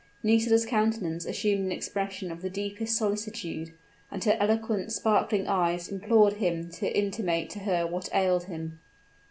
Nisida's countenance assumed an expression of the deepest solicitude, and her eloquent, sparkling eyes, implored him to intimate to her what ailed him.